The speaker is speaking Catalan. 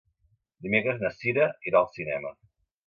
Dimecres na Cira irà al cinema.